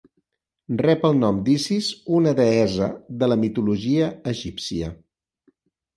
Rep el nom d'Isis una deessa de la mitologia egípcia.